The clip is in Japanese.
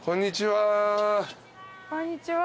こんにちは。